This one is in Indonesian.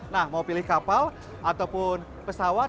nah mau pilih kapal ataupun pesawat